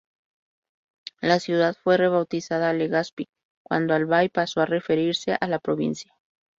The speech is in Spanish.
La ciudad fue rebautizada Legazpi, cuando Albay pasó a referirse a la provincia.